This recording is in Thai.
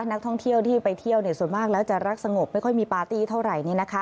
นักท่องเที่ยวที่ไปเที่ยวส่วนมากแล้วจะรักสงบไม่ค่อยมีปาร์ตี้เท่าไหร่